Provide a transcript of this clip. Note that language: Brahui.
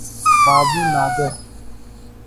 بابو نادر